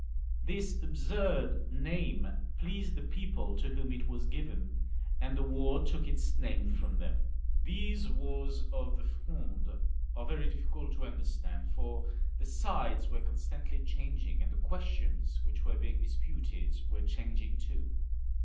This absurd name pleased the people to whom it was given, and the war took its name from them. XLiii.] LOUIS XIV. 333 These wars of the Fronde are very difficult to under stand, for the sides were constantly changing, and the questions which were* being disputed were changing too.